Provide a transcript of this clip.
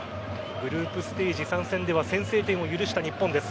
グループステージ３戦では先制点を許した日本です。